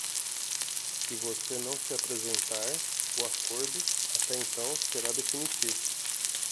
Se você não se apresentar, o acordo, até então, será definitivo.